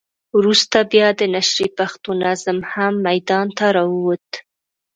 وروسته بیا د نشرې پښتو نظم هم ميدان ته راووت.